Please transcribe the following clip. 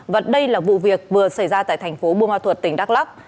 và đây là vụ việc vừa xảy ra tại thành phố bùa ma thuật tỉnh đắk lắk